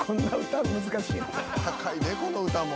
高いでこの歌も。